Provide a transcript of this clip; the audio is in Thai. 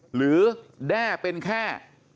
หรือแด้เป็นแค่